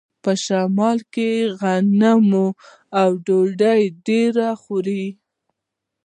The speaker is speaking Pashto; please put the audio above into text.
په شمال کې غنم او ډوډۍ ډیره خوري.